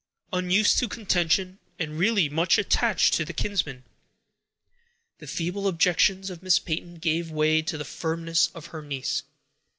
Unused to contention, and really much attached to her kinsman, the feeble objections of Miss Peyton gave way to the firmness of her niece.